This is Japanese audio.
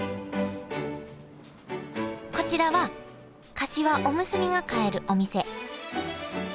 こちらはかしわおむすびが買えるお店。